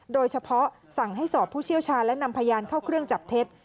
สั่งให้สอบผู้เชี่ยวชาญและนำพยานเข้าเครื่องจับเท็จ